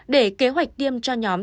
để kế hoạch tiêm cho nhóm